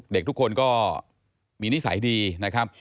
เด็กทุกคนก็มีนิสัยดีนะครับ